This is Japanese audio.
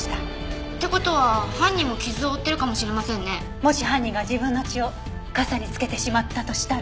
もし犯人が自分の血を傘につけてしまったとしたら。